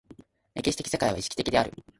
歴史的世界は意識的である。